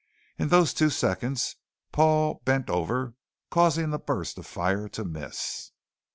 In those two seconds Paul bent over, causing the burst of fire to miss.